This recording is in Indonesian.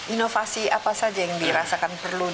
inovasi apa saja yang dirasakan perlu